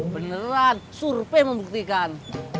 beneran surpeh membuktikan